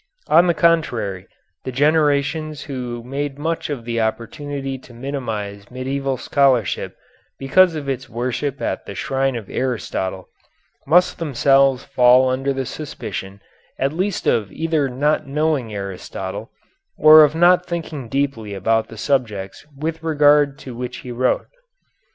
On the contrary, the generations who made much of the opportunity to minimize medieval scholarship because of its worship at the shrine of Aristotle, must themselves fall under the suspicion at least of either not knowing Aristotle or of not thinking deeply about the subjects with regard to which he wrote.